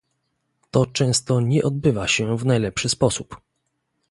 To często nie odbywa się w najlepszy sposób